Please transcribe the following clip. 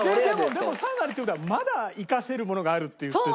でも３割っていう事はまだ生かせるものがあるって言ってるんでしょ？